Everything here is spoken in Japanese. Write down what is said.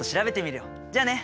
じゃあね！